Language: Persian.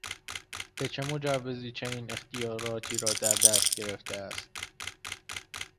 به چه مجوزی چنین اختیاراتی را در دست گرفته است؟